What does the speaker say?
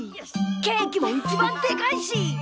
ケーキも一番デカいし。